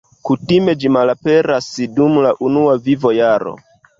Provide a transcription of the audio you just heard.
Kutime ĝi malaperas dum la unua vivojaro.